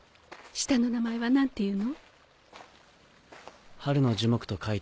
下の名前は何ていうの？